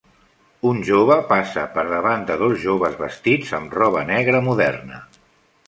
Una jove passa per davant de dos joves vestits amb roba negra moderna.